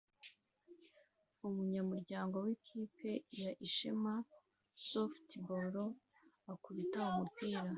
Umunyamuryango wikipe ya Ishema softball akubita umupira